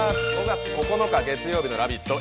５月９日月曜日の「ラヴィット！」